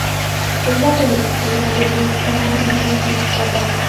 Es la película debut para American Film Company.